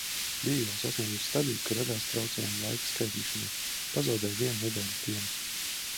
Biju jau sasniegusi stadiju, ka radās traucējumi laika skaitīšanā: pazaudēju vienu nedēļas dienu.